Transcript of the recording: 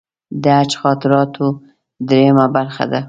د حج خاطراتو درېیمه برخه ده.